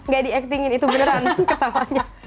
gak di acting in itu beneran ketawanya